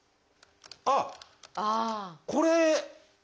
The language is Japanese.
あっこれ。